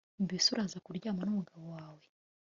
mbese uraza kuryamana n'umugabo wawe